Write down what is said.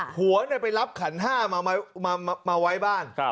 หัวไปรับขันห้ามาไว้บ้าน